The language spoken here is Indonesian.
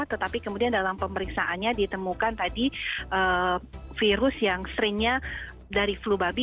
tetapi kemudian dalam pemeriksaannya ditemukan tadi virus yang seringnya dari flu babi